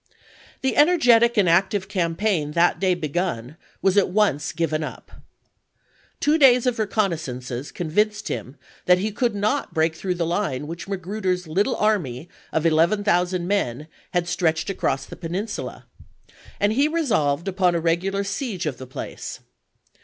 The energetic and active campaign that day begun was at once given up. Two days of reconnaissances convinced him that he could not break through the hue which Magru der's little army of 11,000 men had stretched across the Peninsula, and he resolved upon a regular siege of the place.